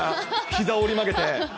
ひざ折り曲げて。